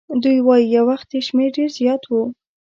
دوی وایي یو وخت یې شمیر ډېر زیات وو.